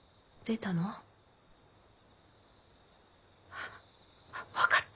あ分かった。